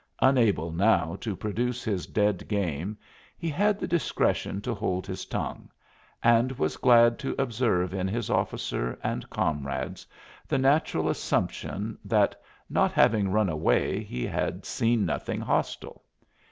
Unable now to produce his dead game he had the discretion to hold his tongue, and was glad to observe in his officer and comrades the natural assumption that not having run away he had seen nothing hostile.